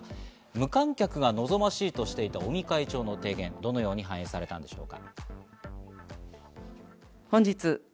無観客が望ましいとしていた尾身会長の提言、どのように反映されたんでしょうか。